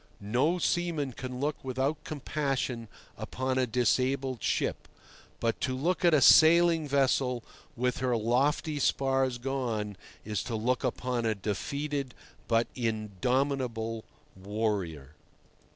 No seaman can look without compassion upon a disabled ship, but to look at a sailing vessel with her lofty spars gone is to look upon a defeated but indomitable warrior.